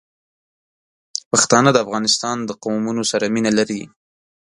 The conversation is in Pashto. پښتانه د افغانستان د قومونو سره مینه لري.